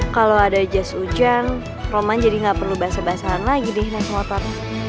kalau ada jas hujan roman jadi nggak perlu basah basahan lagi deh naik motor